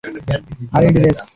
আর এই ড্রেস?